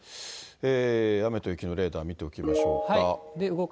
雨と雪のレーダー見ておきましょうか。